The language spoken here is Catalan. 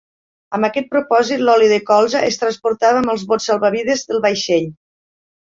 Amb aquest propòsit, l'oli de colza es transportava amb els bots salvavides del vaixell.